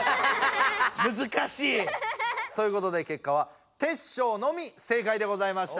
むずかしい！ということで結果はテッショウのみ正解でございました。